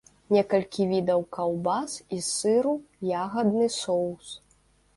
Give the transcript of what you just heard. Некалькі відаў каўбас і сыру, ягадны соус.